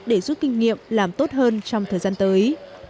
để giúp kinh nghiệm làm tốt hơn trong thời gian tới